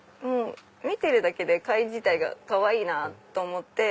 見てるだけで貝自体がかわいいなと思って。